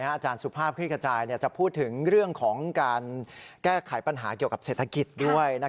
อาจารย์สุภาพคลิกระจายจะพูดถึงเรื่องของการแก้ไขปัญหาเกี่ยวกับเศรษฐกิจด้วย